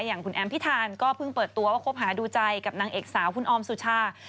อย่างคุณแอมพิธานก็เพิ่งเปิดตัวว่าคบหาดูใจกับนางเอกสาวคุณออมสุชา